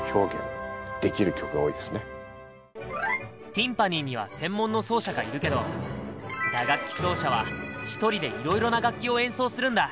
ティンパニーには専門の奏者がいるけど打楽器奏者は１人でいろいろな楽器を演奏するんだ。